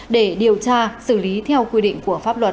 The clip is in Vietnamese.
để điều tra xử lý theo quy định của pháp luật